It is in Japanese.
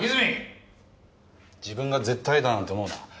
自分が絶対だなんて思うな。